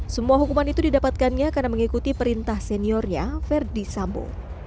semua hukuman itu didapatkannya karena mengikuti perintah seniornya verdi sambo